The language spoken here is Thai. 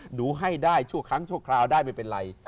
หนูให้ได้ชั่วครั้งชั่วคราวได้ไม่เป็นไร